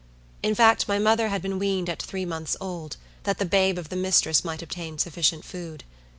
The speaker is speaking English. In fact, my mother had been weaned at three months old, that the babe of the mistress might obtain sufficient food.